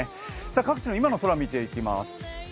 各地の今の空を見ていきます。